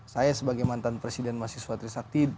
saya sebagai mantan presiden masih suatrisakti